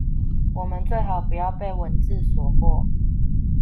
我們最好不要被文字所惑